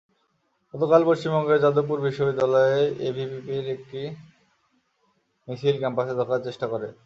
গতকাল পশ্চিমবঙ্গের যাদবপুর বিশ্ববিদ্যালয়ে এবিভিপির একটি মিছিল ক্যাম্পাসে ঢোকার চেষ্টা করে।